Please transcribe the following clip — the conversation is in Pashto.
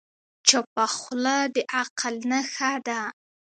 چپه خوله، د عقل نښه ده.